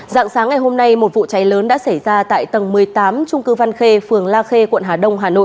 dạng sáng ngày hôm nay một vụ cháy lớn đã xảy ra tại tầng một mươi tám trung cư văn khê phường la khê quận hà đông hà nội